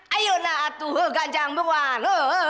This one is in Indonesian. ayo nah atuh ganjang beruan